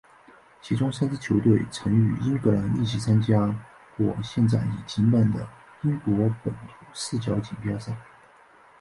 其中三支球队曾和英格兰一起参加过现在已停办的英国本土四角锦标赛。